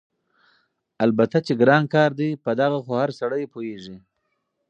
البته چې ګران کار دی په دغه خو هر سړی پوهېږي،